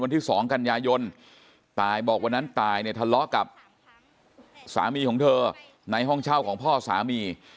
วันที่สองกันยายนตายบอกว่านั้นนี้ตายทะเลาะกับสามีของเธอในห้องเช่ากับพ่อสามี